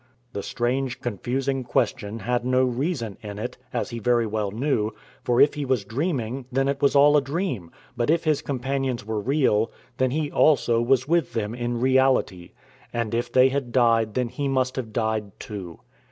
The strange, confusing question had no reason in it, as he very well knew; for if he was dreaming, then it was all a dream; but if his companions were real, then he also was with them in reality, and if they had died then he must have died too.